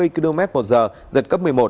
hai mươi km một giờ giật cấp một mươi một